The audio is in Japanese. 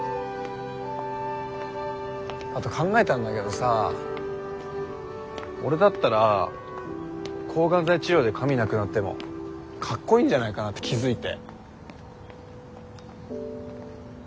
あと考えたんだけどさ俺だったら抗がん剤治療で髪なくなってもかっこいいんじゃないかなって気付いて。